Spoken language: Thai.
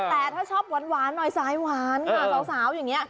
แต่ถ้าชอบหวานหน่อยสายหวานค่ะสาวอย่างนี้